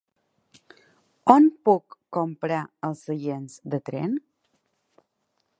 On puc comprar els seients de tren?